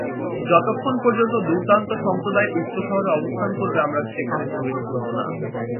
যতক্ষণ পর্যন্ত দুর্দান্ত সম্প্রদায় উক্ত শহরে অবস্থান করবে, আমরা সেখানে প্রবেশ করব না।